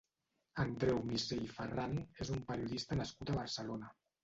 Andreu Missé i Ferran és un periodista nascut a Barcelona.